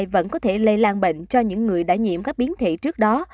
vẫn có thể lây lan bệnh cho những người đã nhiễm các biến thể trước đó